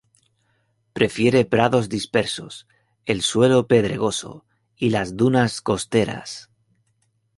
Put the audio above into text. Prefiere prados dispersos, el suelo pedregoso y las dunas costeras.